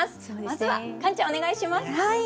まずはカンちゃんお願いします。